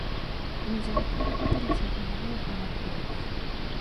En el selecto grupo apareció el llamado de Juan Arguedas.